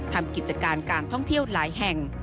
ทำกิจการการท่องเที่ยวหลายแห่ง